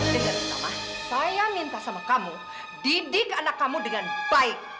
dengan salah saya minta sama kamu didik anak kamu dengan baik